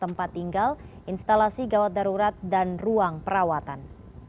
tempat tinggal instalasi gawat darurat dan ruang perawatan